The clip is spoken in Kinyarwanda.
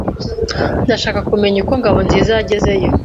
Ndashaka kumenya uko Ngabonziza yagezeyo.